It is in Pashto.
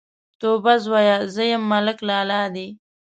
_توابه زويه! زه يم، ملک لالا دې.